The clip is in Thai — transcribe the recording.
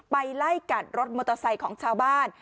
ไล่กัดรถมอเตอร์ไซค์ของชาวบ้าน